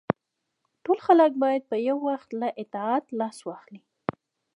ټول خلک باید په یو وخت له اطاعت لاس واخلي.